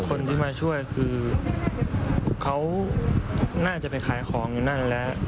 คนที่มาช่วยคือเขาน่าจะไปขายของอยู่นั่นแล้ว